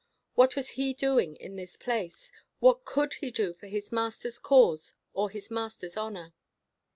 What was he doing in this place? what could he do for his Master's cause or his Master's honour?